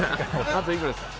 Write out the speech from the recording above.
あといくらですか